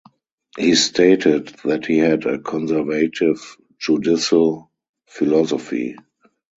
He stated that he had a conservative judicial philosophy.